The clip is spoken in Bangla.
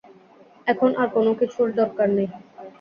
এখন আর কোন কিছুর দরকার নেই।